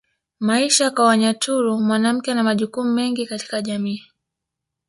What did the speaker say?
Maisha kwa Wanyaturu mwanamke ana majukumu mengi katika jamii